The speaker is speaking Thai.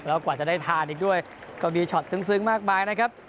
แล้วกว่าจะได้ทานอีกด้วยก็มีช็อตซึ้งมากมายนะครับ